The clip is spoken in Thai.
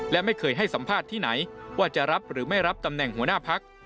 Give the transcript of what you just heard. และไม่เคยให้สัมภาษณ์ที่ไหนว่าจะรับหรือไม่รับตำแหน่งหัวหน้าพัก